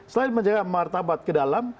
selain menjaga martabat ke dalam